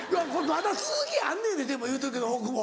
まだ続きあんねんででも言うとくけど大久保。